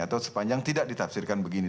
atau sepanjang tidak ditafsirkan begini